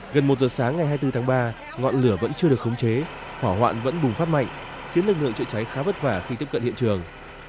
gần một giờ sáng ngày hai mươi bốn tháng ba ngọn lửa vẫn chưa được khống chế hỏa hoạn vẫn bùng phát mạnh khiến lực lượng chữa cháy khá vất vả khi tiếp cận hiện trường